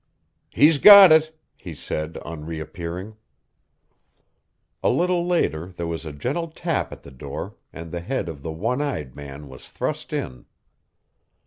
"He's got it," he said on reappearing. A little later there was a gentle tap at the door, and the head of the one eyed man was thrust in.